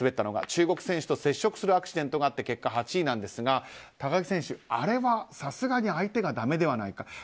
中国選手と接触するアクシデントがあって結果８位なんですが、高木選手あれはさすがに相手がだめではないか。